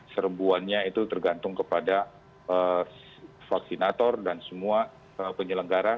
serbuannya itu tergantung kepada vaksinator dan semua penyelenggara